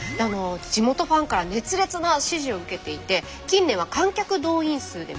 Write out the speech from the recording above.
地元ファンから熱烈な支持を受けていて近年は観客動員数でも上位。